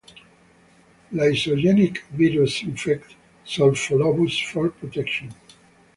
Lysogenic viruses infect "Sulfolobus" for protection.